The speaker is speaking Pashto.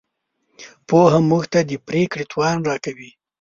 پوهه موږ ته د پرېکړې توان راکوي.